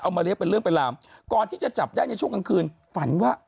เอามาเรียกเป็นให้ลำก่อนที่จะจับได้ในช่วงกลางคืนฝันว่า